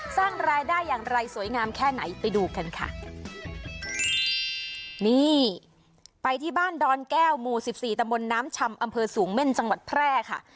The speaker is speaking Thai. สร้างรายได้อย่างไรสวยงามแค่ไหนไปดูกันค่ะนี่ไปที่บ้านดอนแก้วหมู่สิบสี่ตะมนต์น้ำชำอำเภอสูงเม่นจังหวัดแพร่ค่ะ